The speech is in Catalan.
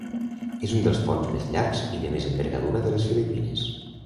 És un dels ponts més llargs i de més envergadura de les Filipines.